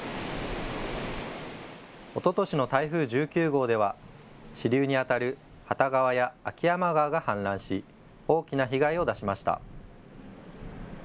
おととしの台風１９号では支流にあたる旗川や秋山川が氾濫し、大きな被害を出しました。